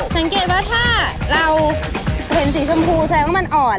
สังเกตว่าถ้าเราเ฾็นสีสะพูใช้ต้องมันอ่อน